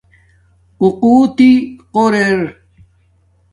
قوقتݵ قرر ارہ